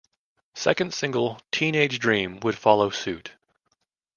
Second single "Teenage Dream" would follow suit.